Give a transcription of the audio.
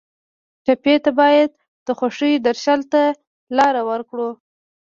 ټپي ته باید د خوښیو درشل ته لار ورکړو.